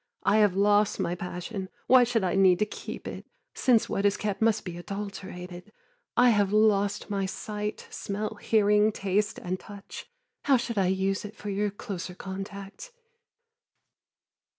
I have lost my passion: why should I need to keep it Since what is kept must be adulterated? I have lost my sight, smell, hearing, taste and touch: How should I use it for your closer contact?